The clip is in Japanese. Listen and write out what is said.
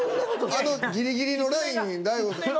あのギリギリのラインに大悟さん。